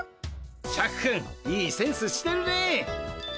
シャクくんいいセンスしてるねえ。